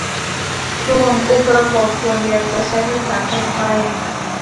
พลวงองค์ประกอบส่วนใหญ่จะใช้ในสารทนไฟ